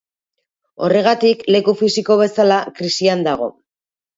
Horregatik, leku fisiko bezala, krisian dago.